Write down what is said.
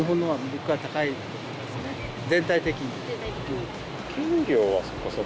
全体的に。